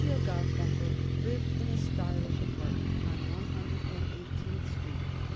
Garfunkel lived in a stylish apartment on One Hundred and Eighteenth Street.